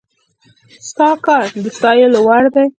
ستا کار د ستايلو وړ دی